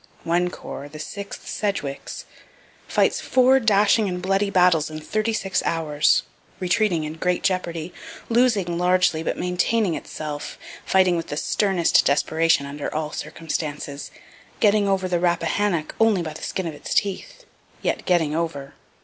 One corps, the 6th, Sedgewick's, fights four dashing and bloody battles in thirty six hours, retreating in great jeopardy, losing largely but maintaining itself, fighting with the sternest desperation under all circumstances, getting over the Rappahannock only by the skin of its teeth, yet getting over.